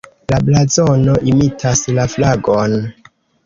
La blazono imitas la flagon.